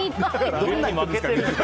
どんな場合ですか！